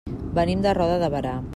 Venim de Roda de Berà.